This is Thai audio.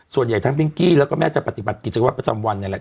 ส่วนใหญ่ทั้งพิงกี้แล้วก็แม่จะปฏิบัติกิจวัตรประจำวันเนี่ยแหละ